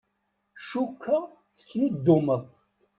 Cukkeɣ tettnuddumeḍ.